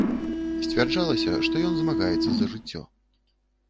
Сцвярджалася, што ён змагаецца за жыццё.